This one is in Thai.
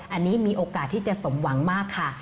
อันนี้มีโอกาสที่จะสมหวังมากค่ะ